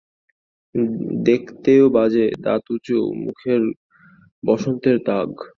দেখতেও বাজে, দাঁত উঁচু, মুখে বসন্তের দাগ।